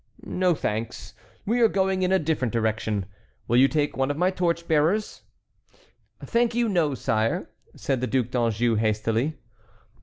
"No, thanks, we are going in a different direction. Will you take one of my torch bearers?" "Thank you, no, sire," said the Duc d'Anjou, hastily.